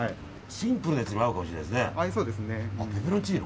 シンプルなやつに合うかもしれないですね。